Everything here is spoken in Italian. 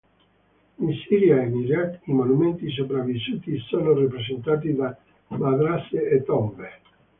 In Siria e in Iraq i monumenti sopravvissuti sono rappresentati da madrase e tombe.